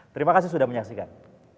terima kasih sudah menyaksikan